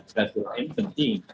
sholat urahim penting